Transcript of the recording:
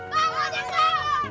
bang mau jalan